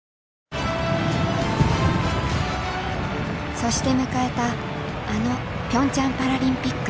そして迎えたあのピョンチャンパラリンピック。